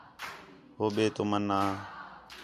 ہو ٻئے تُمن آ